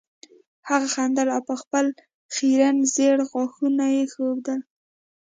هغه خندل او خپل خیرن زیړ غاښونه یې ښودل